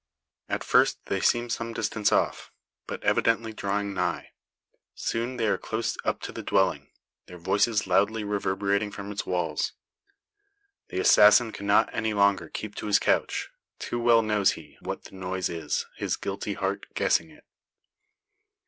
At first they seem at some distance off, but evidently drawing nigh. Soon they are close up to the dwelling, their voices loudly reverberating from its walls. The assassin cannot any longer keep to his couch. Too well knows he what the noise is, his guilty heart guessing it.